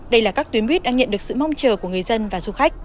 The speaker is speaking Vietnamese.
đây là các tuyến buýt đang nhận được sự mong chờ của người dân và du khách